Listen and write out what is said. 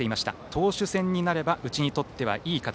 投手戦になればうちにとってはいい形。